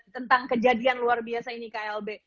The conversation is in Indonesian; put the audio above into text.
tentang kejadian luar biasa ini klb